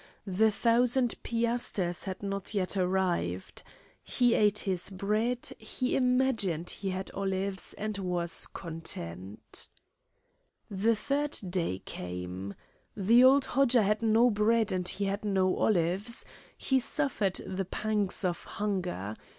The thousand piasters had not yet arrived. He ate his bread, he imagined he had olives, and was content. The third day came. The old Hodja had no bread and he had no olives. He suffered the pangs of hunger.